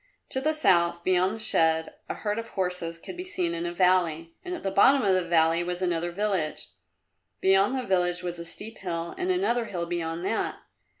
To the south, beyond the shed, a herd of horses could be seen in a valley, and at the bottom of the valley was another village. Beyond the village was a steep hill and another hill beyond that.